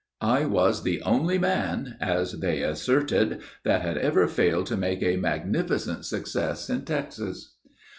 I was the only man, as they asserted, 'that had ever failed to make a magnificent success in Texas.'